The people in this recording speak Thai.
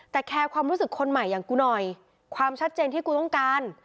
แต่แคร์ความรู้สึกคนใหม่อย่างกูหน่อยความชัดเจนที่กูต้องการ